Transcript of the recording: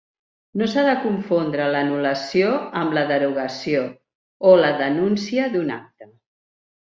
No s'ha de confondre l'anul·lació amb la derogació o la denúncia d'un acte.